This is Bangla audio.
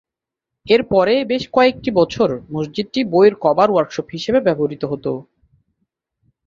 এর পরে বেশ কয়েক বছর মসজিদটি বইয়ের কভার ওয়ার্কশপ হিসাবে ব্যবহৃত হত।